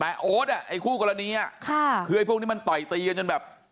แต่โอ๊ตอ่ะไอ้คู่กรณีอ่ะค่ะคือไอ้พวกนี้มันต่อยตีกันจนแบบ